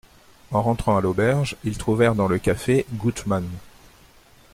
En rentrant à l'auberge, ils trouvèrent dans le café Goutman.